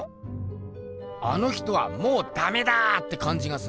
あの人はもうダメだってかんじがすんな。